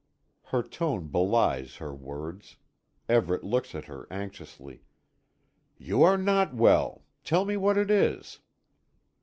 Her tone belies her words. Everet looks at her anxiously: "You are not well. Tell me what it is."